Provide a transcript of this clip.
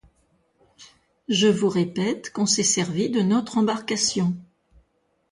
Je vous répète qu’on s’est servi de notre embarcation